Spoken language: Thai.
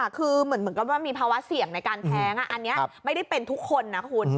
คือเหมือนกับว่ามีภาวะเสี่ยงในการแท้งอันนี้ไม่ได้เป็นทุกคนนะคุณ